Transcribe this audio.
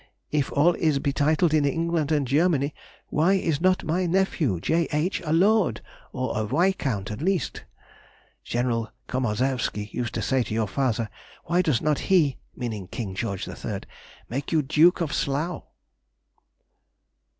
If all is betitled in England and Germany, why is not my nephew, J. H., a lord, or a wycount at least (query)? General Komarzewsky used to say to your father, Why does not he (meaning King George III.) make you Duke of Slough?